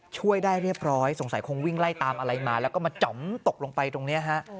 ช่วยได้เรียบร้อยสงสัยคงวิ่งไล่ตามอะไรมาแล้วก็มาจ๋อมตกลงไปตรงนี้ฮะ